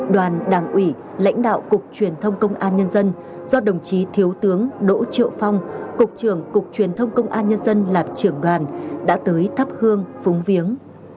đoàn đảng ủy lãnh đạo cục truyền thông công an nhân dân do đồng chí thiếu tướng đỗ triệu phong cục trưởng cục truyền thông công an nhân dân làm trưởng đoàn đã tới thắp hương phúng viếng